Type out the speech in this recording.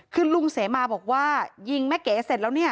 คือลุงเสมาบอกว่ายิงแม่เก๋เสร็จแล้วเนี่ย